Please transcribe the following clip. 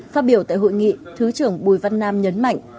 phát biểu tại hội nghị thứ trưởng bùi văn nam nhấn mạnh